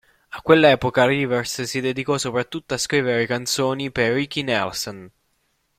A quell'epoca Rivers si dedicò soprattutto a scrivere canzoni per Ricky Nelson.